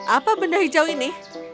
apa benda hijau ini